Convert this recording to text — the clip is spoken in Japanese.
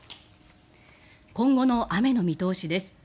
今後の雨の見通しです。